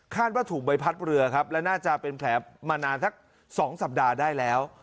ว่าถูกใบพัดเรือครับและน่าจะเป็นแผลมานานสัก๒สัปดาห์ได้แล้ว